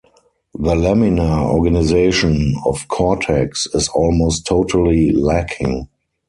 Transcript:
The laminar organization of cortex is almost totally lacking.